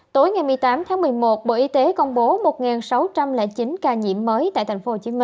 tối ngày một mươi tám tháng một mươi một bộ y tế công bố một sáu trăm linh chín ca nhiễm mới tại tp hcm